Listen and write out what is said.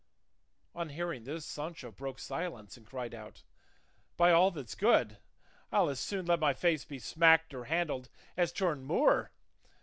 On hearing this Sancho broke silence and cried out, "By all that's good, I'll as soon let my face be smacked or handled as turn Moor.